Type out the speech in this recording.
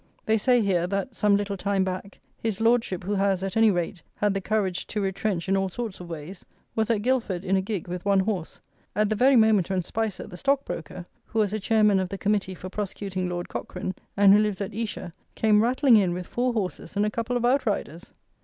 They say here, that, some little time back, his Lordship, who has, at any rate, had the courage to retrench in all sorts of ways, was at Guildford in a gig with one horse, at the very moment, when Spicer, the Stock broker, who was a Chairman of the Committee for prosecuting Lord Cochrane, and who lives at Esher, came rattling in with four horses and a couple of out riders!